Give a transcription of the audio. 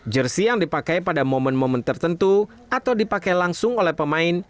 jersi yang dipakai pada momen momen tertentu atau dipakai langsung oleh pemain